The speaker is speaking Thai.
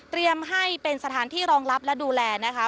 ให้เป็นสถานที่รองรับและดูแลนะคะ